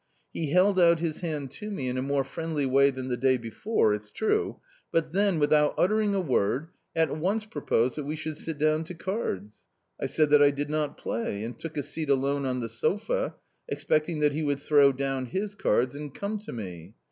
He held out his hand to me in a more friendly way than the day before, it's true, but then, without uttering a word, at once proposed that we should sit down to cards. I said that I did not play, and took a seat alone on the sofa, expecting that he would throw down his cards and come to me.